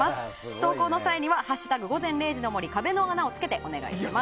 投稿の際は「＃午前０時の森壁の穴」をつけてお願いします。